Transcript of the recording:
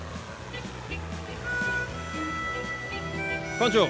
館長